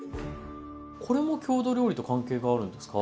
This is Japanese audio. これも郷土料理と関係があるんですか？